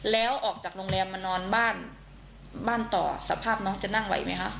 แล้วออกจากโรงแรมมานอนบ้านบ้านต่อสภาพน้องจะนั่งไหวไหมคะ